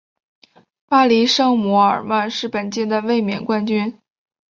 巴黎圣日耳曼是本届的卫冕冠军。